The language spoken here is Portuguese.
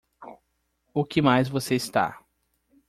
O que mais você está?